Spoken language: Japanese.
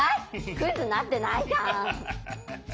クイズになってないじゃん！